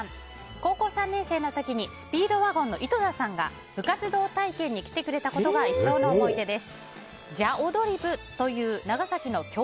高校３年生の時にスピードワゴンの井戸田さんが部活動体験に来てくれたことが一生の思い出です。